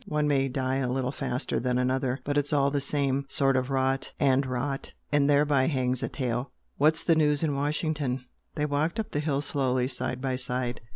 One may die a little faster than another, but it's all the same sort of 'rot, and rot, and thereby hangs a tale!' What's the news in Washington?" They walked up the hill slowly, side by side.